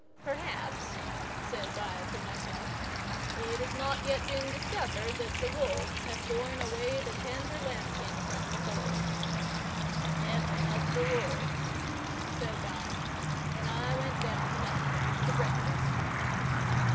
"Perhaps," says I to myself, "it has not yet been discovered that the wolves have borne away the tender lambkin from the fold. Heaven help the wolves!" says I, and I went down the mountain to breakfast.